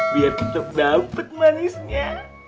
biar tetep dapet manisnya